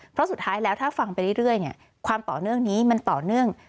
เพราะสุดท้ายแล้วถ้าฟังไปเรื่อยความต่อเนื่องนี้มันต่อเนื่อง